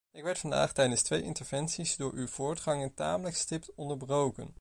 Ik werd vandaag tijdens twee interventies door uw voorganger tamelijk stipt onderbroken.